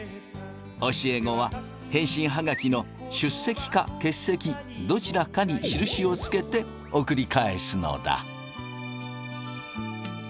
教え子は返信ハガキの出席か欠席どちらかに印をつけて送り返すのだ。